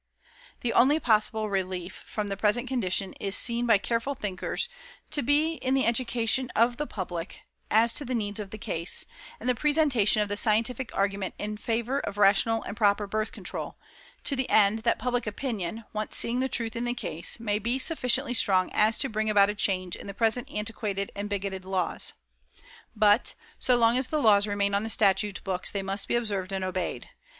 THE ONLY POSSIBLE RELIEF FROM THE PRESENT CONDITION IS SEEN BY CAREFUL THINKERS TO BE IN THE EDUCATION OF THE PUBLIC AS TO THE NEEDS OF THE CASE, AND THE PRESENTATION OF THE SCIENTIFIC ARGUMENT IN FAVOR OF RATIONAL AND PROPER BIRTH CONTROL, TO THE END THAT PUBLIC OPINION, ONCE SEEING THE TRUTH IN THE CASE, MAY BE SUFFICIENTLY STRONG AS TO BRING ABOUT A CHANGE IN THE PRESENT ANTIQUATED AND BIGOTED LAWS. BUT, SO LONG AS THE LAWS REMAIN ON THE STATUTE BOOKS, THEY MUST BE OBSERVED AND OBEYED.